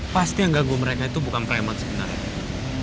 pasti yang ganggu mereka itu bukan premot sebenarnya